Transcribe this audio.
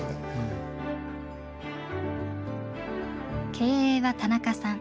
経営は田中さん。